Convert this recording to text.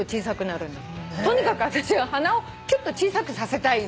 とにかくあたしは鼻をきゅっと小さくさせたいの。